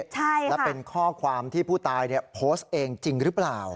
ใช่ค่ะและเป็นข้อความที่ผู้ตายโพสต์เองจริงหรือเปล่า